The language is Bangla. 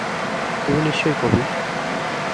তুমি নিশ্চয়ই কবি।